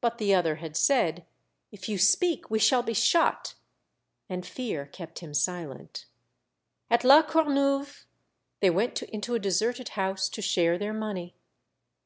But the other had said, *' If you speak, we shall be shot," and fear kept him silent. At La Corneuve they went into a deserted house to share their money.